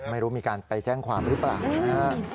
ไม่รู้มีการไปแจ้งความหรือเปล่านะฮะ